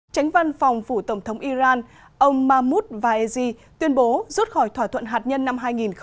tránh văn phòng phủ tổng thống iran ông mahmoud vaeji tuyên bố rút khỏi thỏa thuận hạt nhân năm hai nghìn một mươi năm